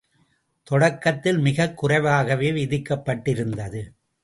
தொடக்கத்தில் மிகக் குறைவாகவே விதிக்கப்பட்டிருந்தது.